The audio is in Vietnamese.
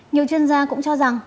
nhiều chuyên gia cũng cho rằng